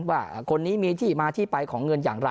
ว่าคนนี้มีที่มาที่ไปของเงินอย่างไร